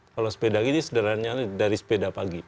kalau sepeda ge ini sederhananya dari sepeda pagi